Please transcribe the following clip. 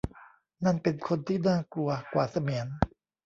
นั่นเป็นคนที่น่ากลัวกว่าเสมียน